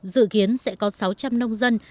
dự kiến sẽ có sáu trăm linh nông dân